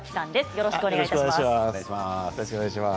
よろしくお願いします。